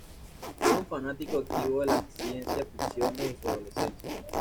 Fue un fanático activo de la ciencia ficción desde su adolescencia.